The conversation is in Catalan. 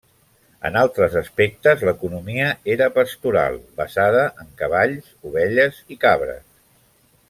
En altres aspectes, l'economia era pastoral, basada en cavalls, ovelles i cabres.